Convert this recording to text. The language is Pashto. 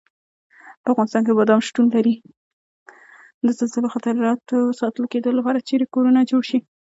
د زلزلوي خطراتو ساتل کېدو لپاره چېرې کورنه جوړ شي؟